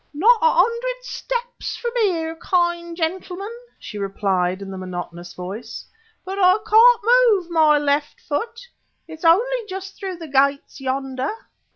"Not a hundred steps from here, kind gentleman," she replied in the monotonous voice; "but I can't move my left foot. It's only just through the gates yonder."